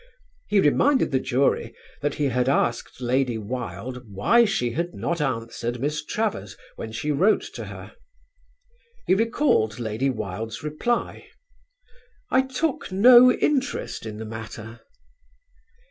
He reminded the jury that he had asked Lady Wilde why she had not answered Miss Travers when she wrote to her. He recalled Lady Wilde's reply: "I took no interest in the matter."